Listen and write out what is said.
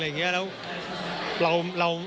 อะไรอย่างนี้แล้ว